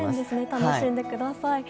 楽しんでください。